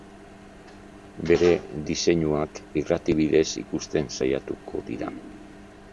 Bere diseinuak irrati bidez ikusten saiatuko dira.